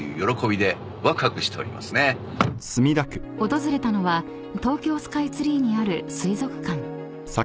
［訪れたのは東京スカイツリーにある水族館］